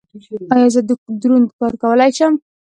ایا زه دروند کار کولی شم؟